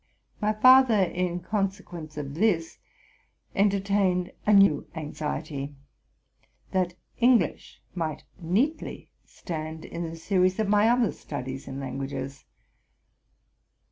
My father, in consequence of this, entertained a new anxiety, that English might neatly stand in the series of my other studies in languages.